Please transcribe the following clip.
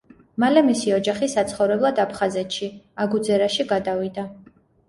მალე მისი ოჯახი საცხოვრებლად აფხაზეთში, აგუძერაში გადავიდა.